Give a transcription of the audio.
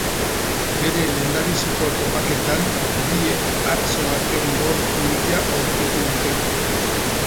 Bere lehendabiziko topaketan biek atso baten gorpu hila aurkitu dute.